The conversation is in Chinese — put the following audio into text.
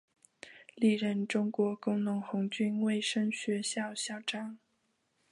历任中国工农红军卫生学校校长。